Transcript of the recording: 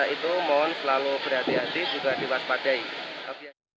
itu mohon selalu berhati hati juga diwaspadai